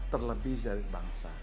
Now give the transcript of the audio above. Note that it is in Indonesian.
terlebih dari bangsa